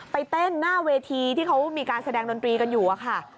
เต้นหน้าเวทีที่เขามีการแสดงดนตรีกันอยู่อะค่ะ